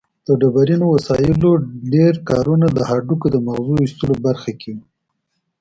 د ډبرینو وسایلو ډېره کارونه د هډوکو د مغزو ایستلو برخه کې وه.